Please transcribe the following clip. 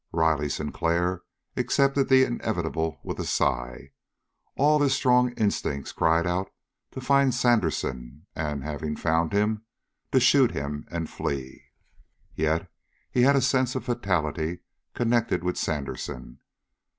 Riley Sinclair accepted the inevitable with a sigh. All his strong instincts cried out to find Sandersen and, having found him, to shoot him and flee. Yet he had a sense of fatality connected with Sandersen.